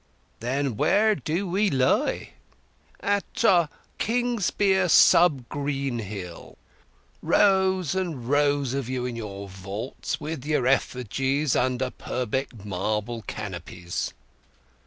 "Then where do we lie?" "At Kingsbere sub Greenhill: rows and rows of you in your vaults, with your effigies under Purbeck marble canopies."